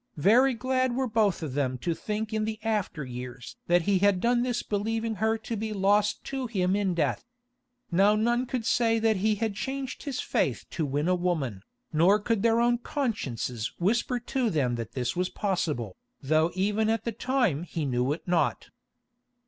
Very glad were both of them to think in the after years that he had done this believing her to be lost to him in death. Now none could say that he had changed his faith to win a woman, nor could their own consciences whisper to them that this was possible, though even at the time he knew it not.